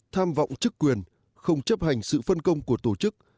tham vọng chức quyền không chấp hành sự phân công của tổ chức